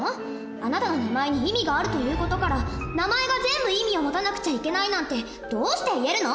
あなたの名前に意味があるという事から名前が全部意味を持たなくちゃいけないなんてどうして言えるの！？